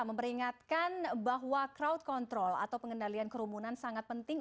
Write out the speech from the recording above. memberingatkan bahwa crowd control atau pengendalian kerumunan sangat penting